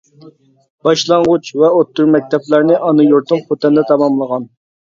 باشلانغۇچ ۋە ئوتتۇرا مەكتەپلەرنى ئانا يۇرتۇم خوتەندە تاماملىغان.